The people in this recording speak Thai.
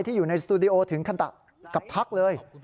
ที่อยู่ในสตูดิโอถึงกับทักเลย